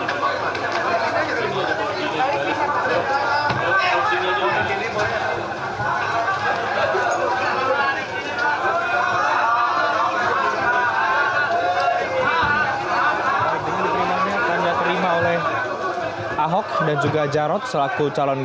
mari saya patriaiskan